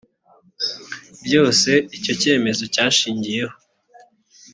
byose icyo cyemezo cyashingiyeho